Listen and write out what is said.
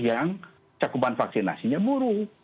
yang cakupan vaksinasinya buruk